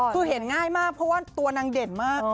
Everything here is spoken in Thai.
คือเห็นง่ายมากเพราะว่าตัวนางเด่นมาก